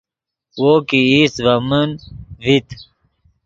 وو کہ ایست ڤے من ڤیت